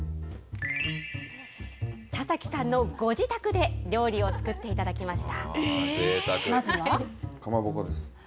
田崎さんのご自宅で料理を作っていただきました。